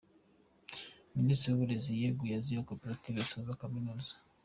Minisitiri w’uburezi yeguye azira gukopera asoza Kaminuza